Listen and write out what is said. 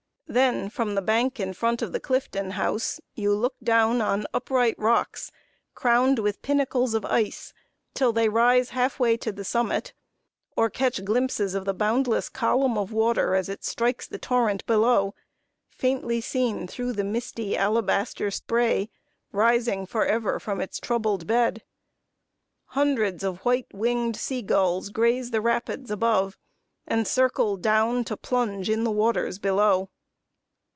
Then, from the bank in front of the Clifton House, you look down on upright rocks, crowned with pinnacles of ice, till they rise half way to the summit, or catch glimpses of the boundless column of water as it strikes the torrent below, faintly seen through the misty, alabaster spray rising forever from its troubled bed. Hundreds of white winged sea gulls graze the rapids above, and circle down to plunge in the waters below.